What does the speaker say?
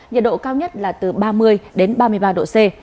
nhiệt độ cao nhất là từ ba mươi đến ba mươi ba độ c